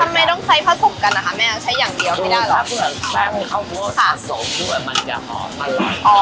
ทำไมต้องใส่ผสมกันนะคะแม่ใช้อย่างเดียวไม่ได้หรอกถ้าเกิดแป้งข้าวโพดผสมด้วยมันจะหอบอร่อยกัน